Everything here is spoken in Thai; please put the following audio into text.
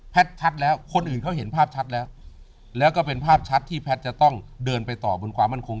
ชัดแล้วคนอื่นเขาเห็นภาพชัดแล้วแล้วก็เป็นภาพชัดที่แพทย์จะต้องเดินไปต่อบนความมั่นคง